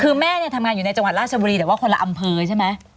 คือแม่เนี่ยทำงานอยู่ในจังหวัดราชบุรีแต่ว่าคนละอำเภอใช่ไหม